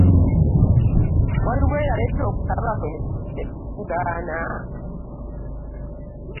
Waliwo eyaleeta okusaba kwe ne tukugaana?